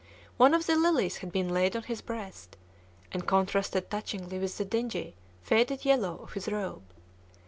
One of the lilies had been laid on his breast, and contrasted touchingly with the dingy, faded yellow of his robe.